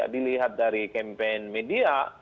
dilihat dari campaign media